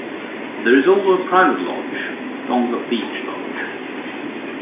There is also a private lodge - Thonga Beach Lodge.